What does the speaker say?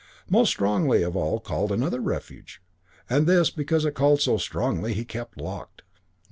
Most strongly of all called another refuge; and this, because it called so strongly, he kept locked.